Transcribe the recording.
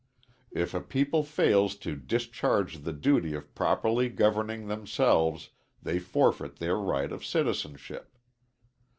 If a people fails to discharge the duty of properly governing themselves, they forfeit their right of citizenship.